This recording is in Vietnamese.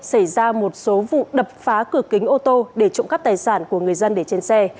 xảy ra một số vụ đập phá cửa kính ô tô để trộm cắp tài sản của người dân để trên xe